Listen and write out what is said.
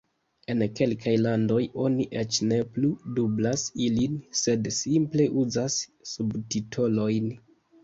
En kelkaj landoj oni eĉ ne plu dublas ilin, sed simple uzas subtitolojn.